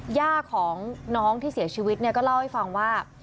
ย่าของน้องที่เสียชีวิตเนี่ยก็เล่าให้ฟังว่า